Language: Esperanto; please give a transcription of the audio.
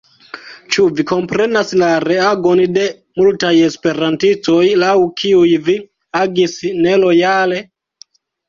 Ĉu vi komprenas la reagon de multaj esperantistoj, laŭ kiuj vi agis nelojale?